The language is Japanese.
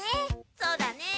そうだね！